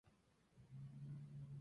Russ Regan.